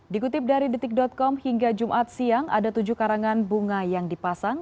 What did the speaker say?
dikutip dari detik com hingga jumat siang ada tujuh karangan bunga yang dipasang